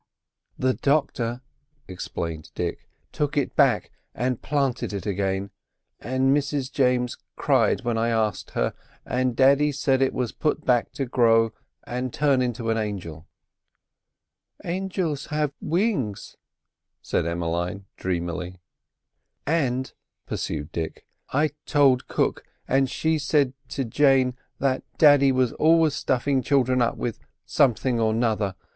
"The doctor," explained Dick, "took it back and planted it again; and Mrs James cried when I asked her, and daddy said it was put back to grow and turn into an angel." "Angels have wings," said Emmeline dreamily. "And," pursued Dick, "I told cook, and she said to Jane, daddy was always stuffing children up with—something or 'nother.